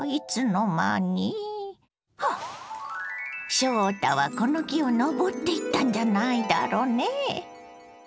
翔太はこの木を登っていったんじゃないだろねぇ。